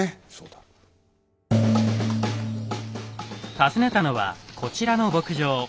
訪ねたのはこちらの牧場。